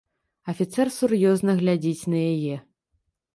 Афіцэр сур'ёзна глядзіць на яе.